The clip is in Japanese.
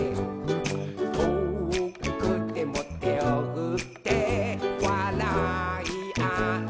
「とおくてもてをふってわらいあえる」